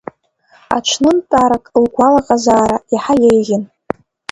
Аҽнынтәарак лгәалаҟазаара иаҳа иеиӷьын.